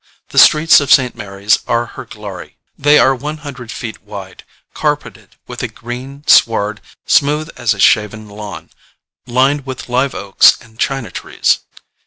The streets of St. Mary's are her glory: they are one hundred feet wide, carpeted with a green sward smooth as a shaven lawn, lined with live oaks and china trees.